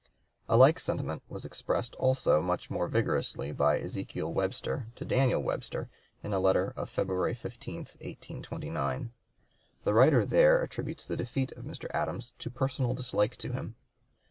A like sentiment was expressed also much more vigorously by Ezekiel Webster to Daniel Webster, in a letter of February 15, 1829. The writer there attributes the defeat of Mr. Adams to personal dislike to him.